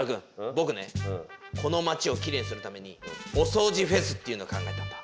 ぼくねこの町をキレイにするために「おそうじフェス」っていうのを考えたんだ！